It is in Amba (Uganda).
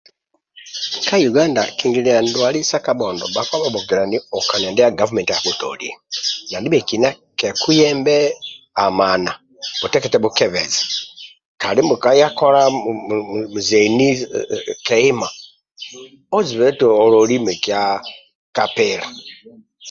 Ka uganda kingililia ndwali sa kabhondo bhasemelelu okania ndia gavumenti abhutolio na ndibekina kokuyembe amana bhutekete bhukebeze kandi kaya kola zeni ke ima ozibe oti ololi mikia ka kapila